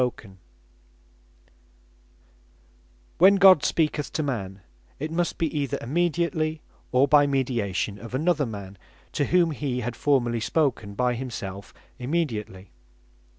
How God Speaketh To Men When God speaketh to man, it must be either immediately; or by mediation of another man, to whom he had formerly spoken by himself immediately.